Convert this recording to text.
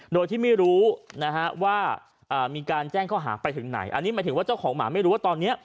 โดยที่ไม่รู้นะฮะว่ามีการแจ้งข้อหาไปถึงไหนอันนี้หมายถึงว่าเจ้าของหมาไม่รู้ว่าตอนนี้